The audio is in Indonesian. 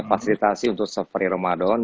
fasilitasi untuk safari ramadan